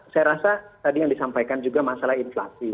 saya rasa tadi yang disampaikan juga masalah inflasi